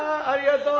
ありがとう！